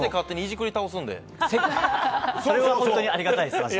それは本当にありがたいです。